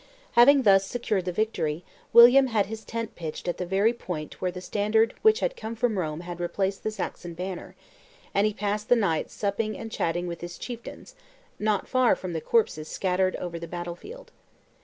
Having thus secured the victory, William had his tent pitched at the very point where the standard which had come from Rome had replaced the Saxon banner, and he passed the night supping and chatting with his chieftains, not far from the corpses scattered over the battle field.